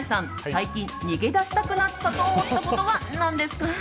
最近、逃げ出したくなったと思ったことは何ですか？